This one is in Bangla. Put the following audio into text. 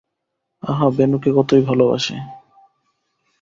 আহা, বেণুকে কত ভালোই বাসে।